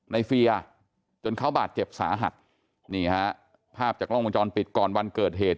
เฟียจนเขาบาดเจ็บสาหัสนี่ฮะภาพจากกล้องวงจรปิดก่อนวันเกิดเหตุ